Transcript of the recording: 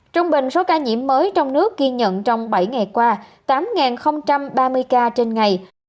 trung bình số ca nhiễm mới trong nước ghi nhận trong bảy ngày qua tám ba mươi ca trên ngày